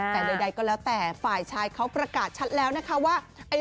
แต่ใดก็แล้วแต่ฝ่ายชายเขาประกาศชัดแล้วนะคะว่า